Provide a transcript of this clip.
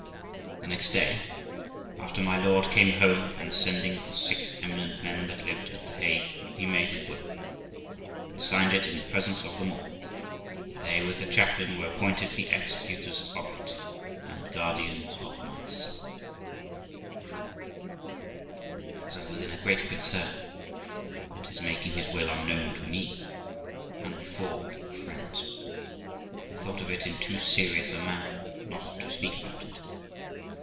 The next day after my lord came home, and, sending for six eminent men that lived at The Hague, he made his will, and signed it in the presence of them all ; and they, with the chaplain, were appointed the executors of it, and guardians of my son. 420 THE LIFE OF ROXANA As I was in a great concern at his making his will unknown to me, and before we were friends, I thought of it in too serious a manner not to speak about it.